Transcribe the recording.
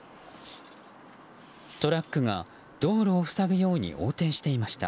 トラックが道路を塞ぐように横転していました。